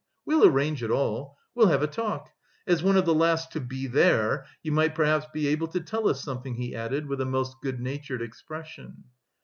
We'll arrange it all; we'll have a talk. As one of the last to be there, you might perhaps be able to tell us something," he added with a most good natured expression.